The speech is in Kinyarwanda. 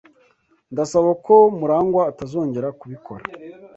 Ndasaba ko Murangwa atazongera kubikora.